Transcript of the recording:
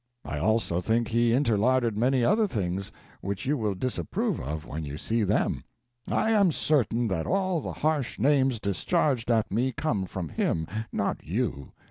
I also think he interlarded many other things which you will disapprove of when you see them. I am certain that all the harsh names discharged at me come from him, not you.